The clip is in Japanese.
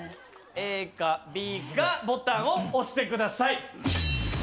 ＡかＢかボタンを押してください。